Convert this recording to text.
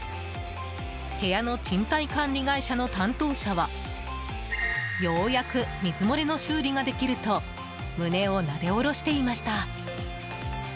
部屋の賃貸管理会社の担当者はようやく水漏れの修理ができると胸をなでおろしていました。